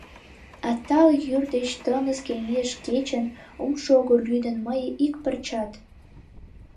А тале йӱр деч тыныс кеҥеж кечын Ом шого лӱдын мые ик пырчат.